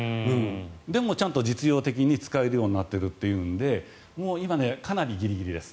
でも、ちゃんと実用的に使えるようになってるというのでもう今、かなりギリギリです。